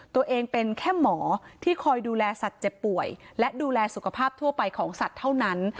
ตัวเองเป็นแค่หมอที่คอยดูแลสัตว์เจ็บป่วยและดูแลสุขภาพทั่วไปของสัตว์เท่านั้น